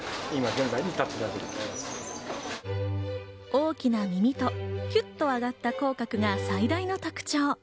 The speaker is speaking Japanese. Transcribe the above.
大きな耳とキュッと上がった口角が最大の特徴。